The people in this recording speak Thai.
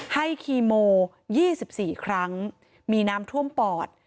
คีโม๒๔ครั้งมีน้ำท่วมปอด